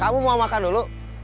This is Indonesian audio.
kamu mau makan dulu